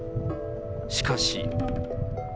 しかし。